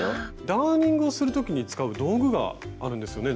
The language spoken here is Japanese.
ダーニングをする時に使う道具があるんですよね？